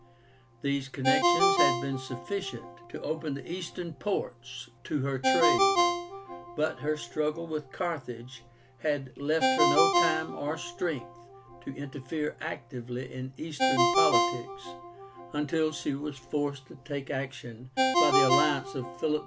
These connections had been sufficient to open the Eastern ports to her trade, but her struggle with Carthage had left her no time or strength to interfere actively in Eastern politics, until she was forced to take action by the alliance of Philip V.